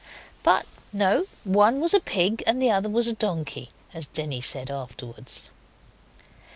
But no, one was a pig and the other was a donkey, as Denny said afterwards.